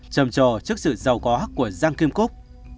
trầm trồ trước sự giàu có của giang kim cúc